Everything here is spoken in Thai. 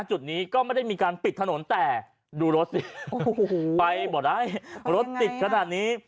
จุดนี้ก็ไม่ได้มีการปิดถนนแต่ดูรถสิโอ้โหไปบ่ได้รถติดขนาดนี้